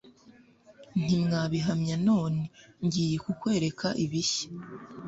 ntimwabihamya None ngiye kukwereka ibishya